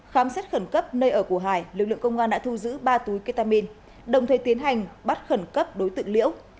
khám xét khẩn cấp nơi ở của hải lực lượng công an đã thu giữ ba túi ketamine đồng thời tiến hành bắt khẩn cấp đối tượng liễu